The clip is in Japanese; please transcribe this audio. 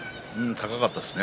高かったですね